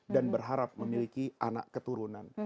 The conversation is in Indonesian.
dan berharap memiliki anak keturunan